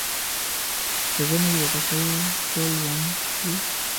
د ژمي يو پسه يې ټول ژوند وي.